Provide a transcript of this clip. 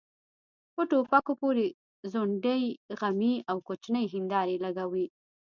په ټوپکو پورې ځونډۍ غمي او کوچنۍ هيندارې لګوي.